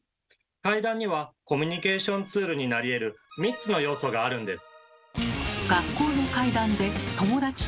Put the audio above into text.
怪談にはコミュニケーションツールになりえる３つの要素があるんです。